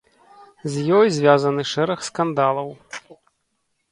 З ёй звязаны шэраг скандалаў.